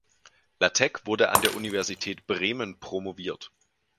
Latteck wurde an der Universität Bremen promoviert.